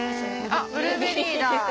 あっブルーベリーだ！